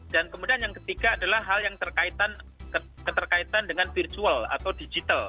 dan kemudian yang ketiga adalah hal yang terkaitan dengan virtual atau digital